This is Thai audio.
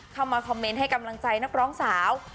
เข้ามาคอมเมนต์ให้กำลังใจนักร้องสาว